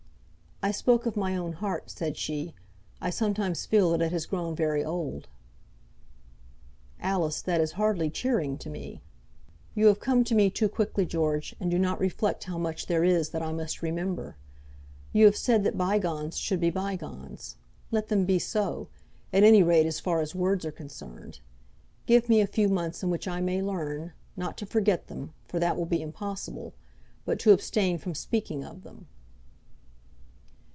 "I spoke of my own heart," said she: "I sometimes feel that it has grown very old." "Alice, that is hardly cheering to me." "You have come to me too quickly, George, and do not reflect how much there is that I must remember. You have said that bygones should be bygones. Let them be so, at any rate as far as words are concerned. Give me a few months in which I may learn, not to forget them, for that will be impossible, but to abstain from speaking of them."